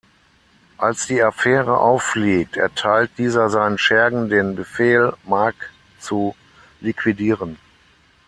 Als die Affäre auffliegt, erteilt dieser seinen Schergen den Befehl, Marc zu liquidieren.